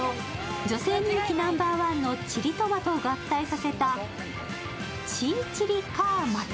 女性人気ナンバーワンのチリトマトを合体させたチーチリカーマト。